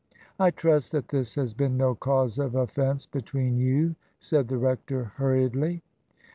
" I trust that this has been no cause of offence between you," said the rector, hurriedly.